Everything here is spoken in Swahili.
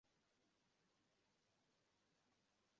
hasa ni kama vile upande mmoja zaidi kwamba